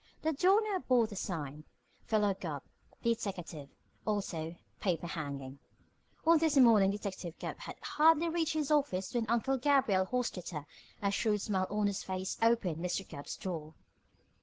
The door now bore the sign PHILO GUBB DETECKATIVE Also Paper hanging On this morning Detective Gubb had hardly reached his office when Uncle Gabriel Hostetter, a shrewd smile on his face, opened Mr. Gubb's door.